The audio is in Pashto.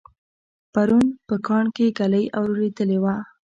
پرون په کاڼ کې ږلۍ اورېدلې وه